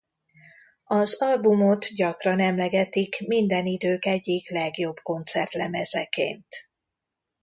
Az albumot gyakran emlegetik minden idők egyik legjobb koncertlemezeként.